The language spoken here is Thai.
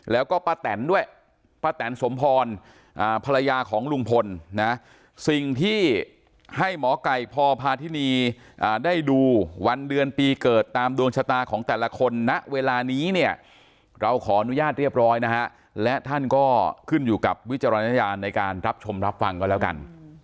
และท่านก็ขึ้นอยู่กับวิจารณญาณในการรับชมรับฟังก่อนแล้วกัน